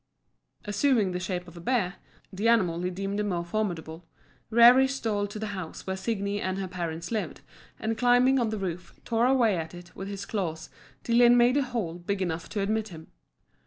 Assuming the shape of a bear the animal he deemed the more formidable Rerir stole to the house where Signi and her parents lived, and climbing on the roof, tore away at it with his claws till he had made a hole big enough to admit him.